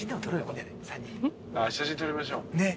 あっ写真撮りましょう。